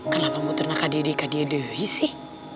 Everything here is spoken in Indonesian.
kenapa kamu ternyata kadeh deh kadeh dehis sih